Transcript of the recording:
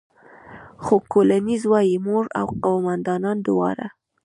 خو کولینز وايي، مور او قوماندانه دواړه.